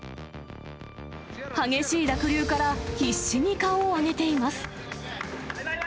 激しい濁流から必死に顔を上げています。